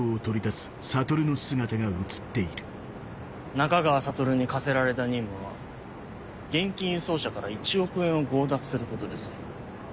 仲川悟に課せられた任務は現金輸送車から１億円を強奪することです。